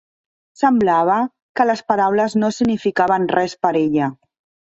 Semblava que les paraules no significaven res per ella.